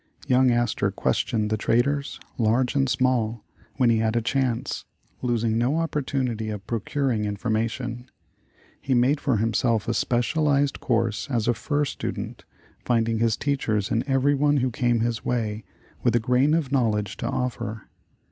Young Astor questioned the traders, large and small, when he had a chance, losing no opportunity of procuring information. He made for himself a special ized course as a fur student, finding his teachers in everyone who came his way with a grain of knowledge to offer.